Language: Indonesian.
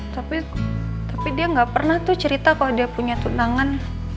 tapi tapi dia nggak pernah tuh cerita kalau dia punya tunangan